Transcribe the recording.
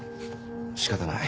仕方ない。